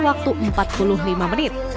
waktu empat puluh lima menit